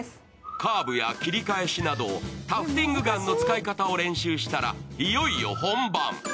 カーブや切り返しなどタフティングガンの使い方を練習したら、いよいよ本番。